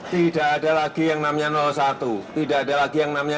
tidak ada lagi yang namanya satu tidak ada lagi yang namanya